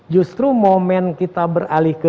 justru momen kita beralih ke